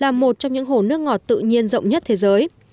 là một trong những hồ nước ngọt tự nhiên rộng nhất thế giới